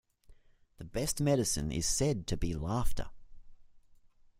The best medicine is said to be laughter.